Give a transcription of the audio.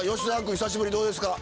久しぶりどうですか？